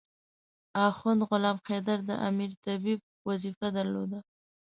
اخند غلام حیدر د امیر طبيب وظیفه درلوده.